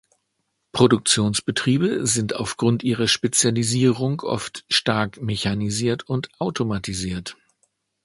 Produktionsbetriebe sind aufgrund ihrer Spezialisierung oft stark mechanisiert und automatisiert.